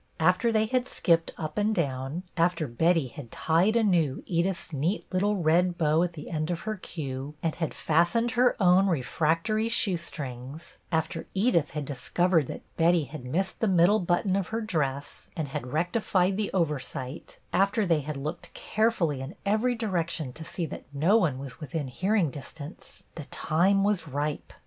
After they had skipped up and down ; after Betty had tied anew Edith's neat little red bow at the end of her cue, and had fastened her own refractory shoestrings ; after Edith had dis covered that Betty had missed the middle button of her dress and had rectified the oversight ; after they had looked carefully in every direction to see that no one was within hearing distance, the time was ripe.